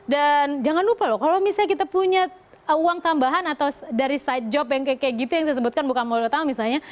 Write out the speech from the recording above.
dan jangan lupa loh kalau misalnya kita punya uang tambahan atau dari side job yang kayak gitu yang saya sebutkan bukan modal gede bos misalnya